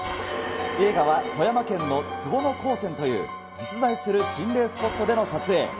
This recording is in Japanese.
映画は富山県の坪野鉱泉という、実在する心霊スポットでの撮影。